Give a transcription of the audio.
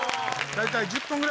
大体。